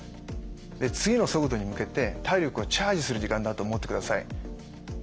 次の速度に向けて体力をチャージする時間だと思ってください。